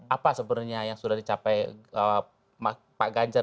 apa sebenarnya yang sudah dicapai pak ganjar